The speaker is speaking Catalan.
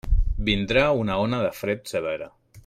Vindrà una ona de fred severa.